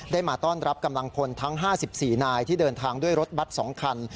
มาต้อนรับกำลังพลทั้ง๕๔นายที่เดินทางด้วยรถบัตร๒คัน